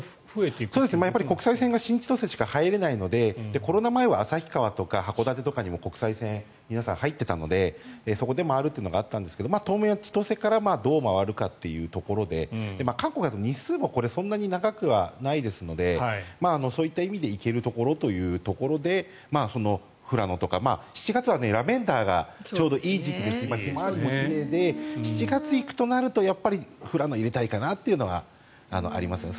国際線が新千歳しか入れないのでコロナ前は旭川とか函館に国際線が皆さん入っていたのでそこで回るというのがあったんですが当面は千歳からどう回るかということで韓国だと日数もそんなに長くないのでそういった意味で行けるところというところで富良野とか７月はラベンダーがちょうどいい時期でヒマワリも奇麗で７月に行くとなると富良野は入れたいかなというのはありますね。